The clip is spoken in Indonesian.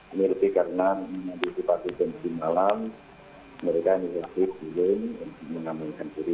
ini lebih karena di pagi pagi malam mereka ini lagi di lint menamungkan diri